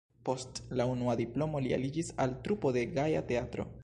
Post la unua diplomo li aliĝis al trupo de Gaja Teatro.